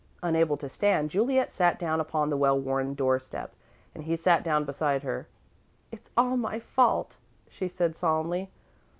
Unable to stand, Juliet sat down upon the well worn door step and he sat down beside her. "It's all my fault," she said, solemnly.